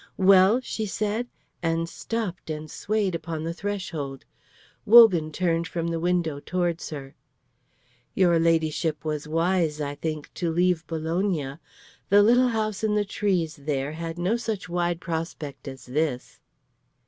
"Well?" she said, and stopped and swayed upon the threshold. Wogan turned from the window towards her. "Your Ladyship was wise, I think, to leave Bologna. The little house in the trees there had no such wide prospect as this."